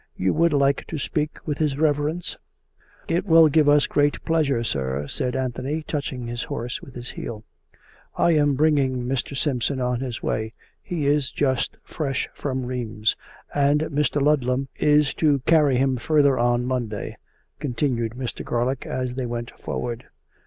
You would like to speak with his reverence ?"" It will give us great pleasure, sir," said Anthony, touching his horse with his heel. " I am bringing Mr. Simpson on his way. He is just fresh from Rheims. And Mr. Ludlam is to carry him further on Monday," continued Mr. Garlick as they went forward.